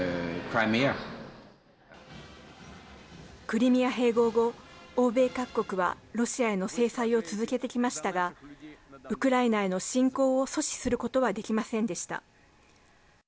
クリミア併合後欧米各国は、ロシアへの制裁を続けてきましたがウクライナへの侵攻を阻止することはできませんでした。